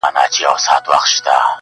ما ستا په شربتي سونډو خمار مات کړی دی.